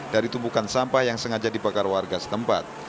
dari tumpukan sampah yang sengaja dibakar warga setempat